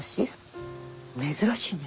珍しいね。